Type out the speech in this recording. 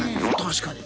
確かに。